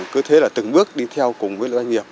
cứ thế là từng bước đi theo cùng với doanh nghiệp